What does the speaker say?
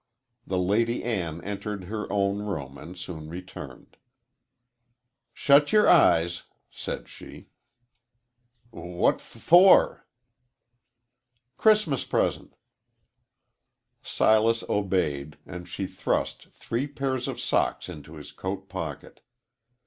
The Lady Ann entered her own room, and soon returned. "Shut yer eyes," said she. "What f for?" "Chris'mas present." Silas obeyed, and she thrust three pairs of socks into his coat pocket.